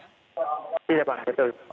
tidak bang betul